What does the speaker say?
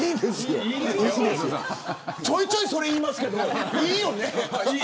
ちょいちょいそれ言いますけどいいよね。